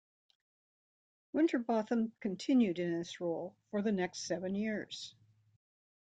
Winterbotham continued in this role for the next seven years.